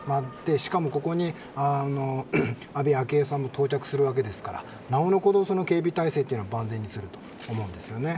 しかも、ここに安倍昭恵さんも到着するわけですからなおのこと警備態勢も万全にすると思うんですよね。